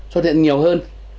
xuất hiện nhiều hơn